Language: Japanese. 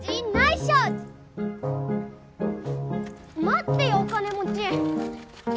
待ってよお金持ち！